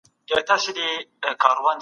کله به نړیواله ټولنه ډیپلوماټ تایید کړي؟